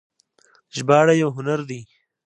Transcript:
ژباړه یو هنر دی